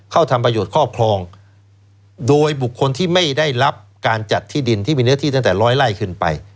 ทำประโยชน์ครอบครองโดยบุคคลที่ไม่ได้รับการจัดที่ดินที่มีเนื้อที่ตั้งแต่ร้อยไล่ขึ้นไป